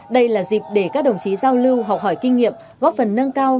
đây là dịp để các đồng chí giao lưu học hỏi kinh nghiệm góp phần nâng cao